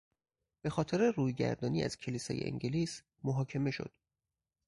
به خاطر رویگردانی از کلیسای انگلیس محاکمه شد.